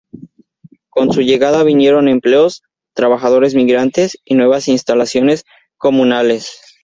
Con su llegada vinieron empleos, trabajadores migrantes y nuevas instalaciones comunales.